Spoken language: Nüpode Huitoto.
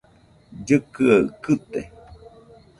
Llɨkɨaɨ kɨte.